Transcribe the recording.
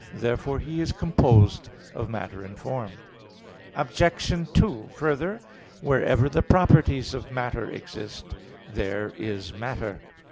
Therefore he is composed of matter and form. Obj. 2: Further, wherever the properties of matter exist, there is matter.